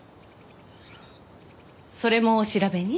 それもお調べに？